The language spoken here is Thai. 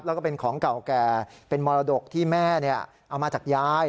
แล้วก็เป็นของเก่าแก่เป็นมรดกที่แม่เอามาจากยาย